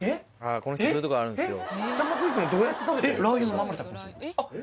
この人そういうところあるんですよ。